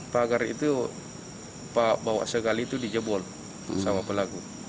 pagar itu pak bawa segal itu di jebol sama pelaku